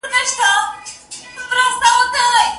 هغه بورا وي همېشه خپله سینه څیرلې